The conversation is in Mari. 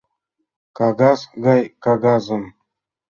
Кагаз гай кагазым...